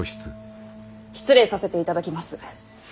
失礼させていただきます。